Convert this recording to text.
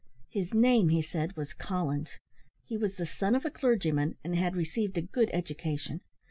His name, he said, was Collins; he was the son of a clergyman, and had received a good education.